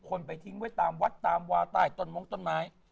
คนไปทิ้งไว้ตามวัดตามวาใต้ต้นมงต้นไม้